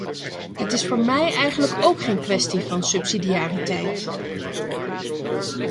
Het is voor mij eigenlijk ook geen kwestie van subsidiariteit.